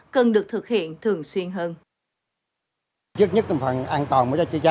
cần được thực hiện thường xuyên hơn